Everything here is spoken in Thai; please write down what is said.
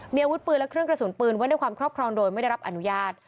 มีอาวุธปืนและเครื่องกระสุนปืนไว้ในความครอบครองโดยไม่ได้รับอนุญาต